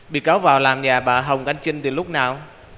bị cáo vào làm nhà bà hồng anh trinh từ lúc nào